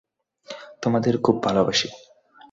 তোমাদের খুব ভালবাসি।